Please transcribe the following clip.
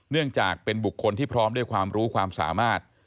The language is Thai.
เนื่องจากเป็นบุคคลที่พร้อมด้วยความรู้ความสามารถ